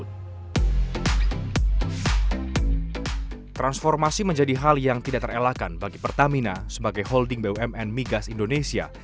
transformasi menjadi hal yang tidak terelakkan bagi pertamina sebagai holding bumn migas indonesia